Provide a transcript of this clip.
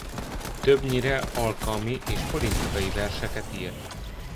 Többnyire alkalmi és politikai verseket írt.